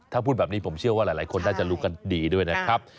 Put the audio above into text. ถ้าพูดแบบนี้ผมเชื่อว่าหลายคนน่าจะรู้กันดีด้วยนะครับ